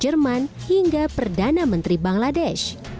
jerman hingga perdana menteri bangladesh